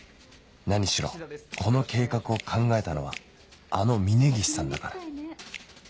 何しろこの計画を考えたのはあの峰岸さんだから